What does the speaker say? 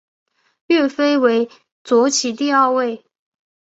岳飞为左起第二位。